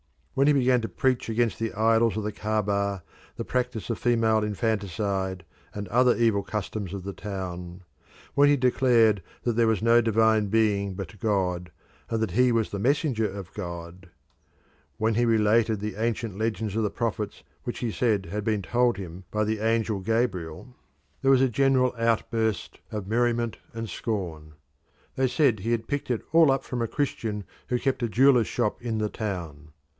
When he began to preach against the idols of the Caaba, the practice of female infanticide, and other evil customs of the town; when he declared that there was no divine being but God, and that he was the messenger of God; when he related the ancient legends of the prophets which he said had been told him by the angel Gabriel, there was a general outburst of merriment and scorn. They said he had picked it all up from a Christian who kept a jeweller's shop in the town.